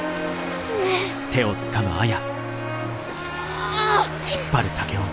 ああ！